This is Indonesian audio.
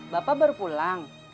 bapak baru pulang